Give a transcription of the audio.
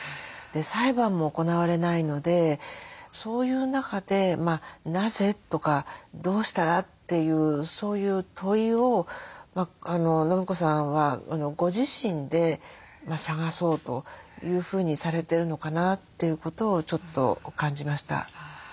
裁判も行われないのでそういう中でなぜ？とかどうしたら？っていうそういう問いを伸子さんはご自身で探そうというふうにされてるのかなということをちょっと感じました。